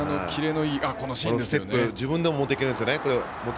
自分でも持っていけるんですよね。